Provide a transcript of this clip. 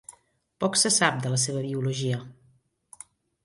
Poc se sap de la seva biologia.